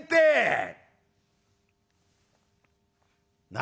「何？